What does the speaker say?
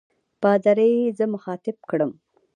پادري زه مخاطب کړم.